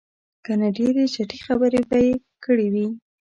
که نه ډېرې چټي خبرې به یې کړې وې.